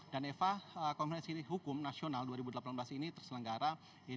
dan eva komunikasi hukum nasional dua ribu delapan belas ini terselenggara